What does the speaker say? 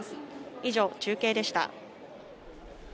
以上、中継でした。